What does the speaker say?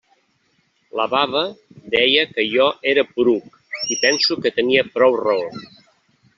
La baba deia que jo era poruc, i penso que tenia prou raó.